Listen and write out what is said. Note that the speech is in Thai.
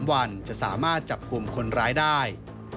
วันจะสามารถจับกลุ่มคนร้ายได้